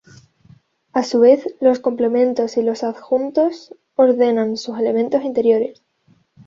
A su vez, los complementos y los adjuntos ordenan sus elementos interiores.